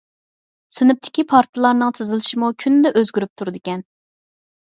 سىنىپتىكى پارتىلارنىڭ تىزىلىشىمۇ كۈندە ئۆزگىرىپ تۇرىدىكەن.